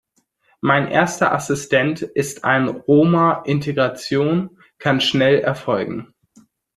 Mein erster Assistent ist ein Roma Integration kann schnell erfolgen.